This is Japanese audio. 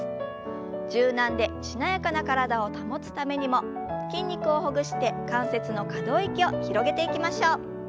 柔軟でしなやかな体を保つためにも筋肉をほぐして関節の可動域を広げていきましょう。